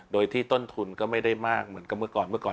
โดยที่ต้นทุนก็ไม่ได้มากเหมือนกับเมื่อก่อนเมื่อก่อน